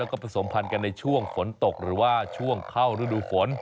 แล้วก็ผสมพันธ์กันในช่วงฝนตกหรือว่าช่วงเข้ารูดูฝน